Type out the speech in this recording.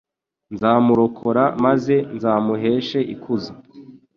nzamurokora maze nzamuheshe ikuzo